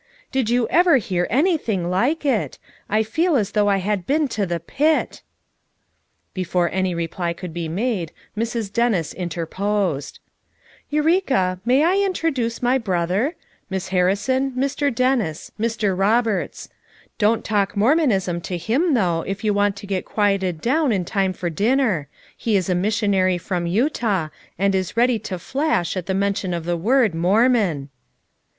"Did you ever hear anything like it ! I feel as though I had been to the pit !'' 199 200 FOUR MOTHERS AT CHAUTAUQUA Before any reply could be made, Mrs. Dennis interposed. *' Eureka, may I introduce my brother J Miss Harrison, Mr. Dennis. Mr. Roberts. Don't talk Mormonism to him, though, if you want to get quieted down in time for dinner; he is a missionary from Utah, and is ready to flash at the mention of the word, 'Mormon.'